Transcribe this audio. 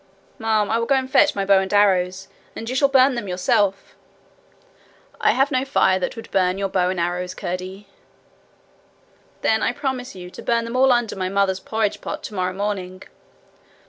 'Ma'am, I will go and fetch my bow and arrows, and you shall burn them yourself.' 'I have no fire that would burn your bow and arrows, Curdie.' 'Then I promise you to burn them all under my mother's porridge pot tomorrow morning.'